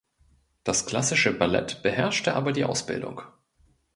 Das klassische Ballett beherrschte aber die Ausbildung.